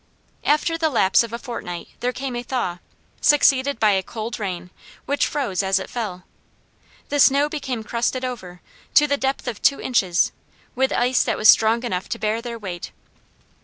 After the lapse of a fortnight there came a thaw, succeeded by a cold rain, which froze as it fell. The snow became crusted over, to the depth of two inches, with ice that was strong enough to bear their weight.